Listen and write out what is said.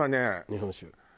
日本酒？